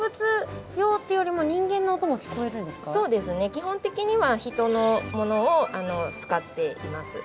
基本的には人のものを使っています。